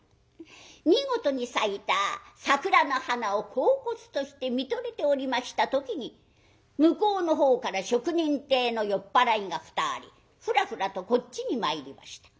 見事に咲いた桜の花をこうこつとして見とれておりました時に向こうのほうから職人体の酔っ払いが２人フラフラとこっちに参りました。